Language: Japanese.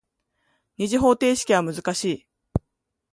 二次方程式は難しい。